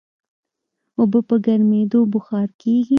اوبه په ګرمېدو بخار کېږي.